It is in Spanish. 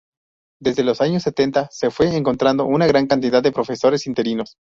Desde los años setenta se fue contratando una gran cantidad de profesores interinos.